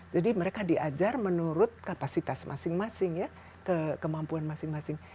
jadi mereka diajar menurut kapasitas masing masing ya kemampuan masing masing